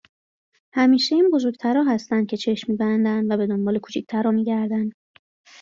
همیشه این بزرگترا هستن که چشم میبندن و به دنبال کوچیکترا میگردن